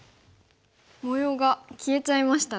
模様が消えちゃいましたね。